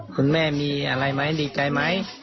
คุณแม่มีอะไรไหมดีใจไหม